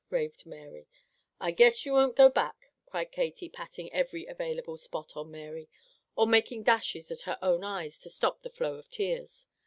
raved Mary. "I guess you won't go back," cried Katy, patting every available spot on Mary, or making dashes at her own eyes to stop the flow of tears.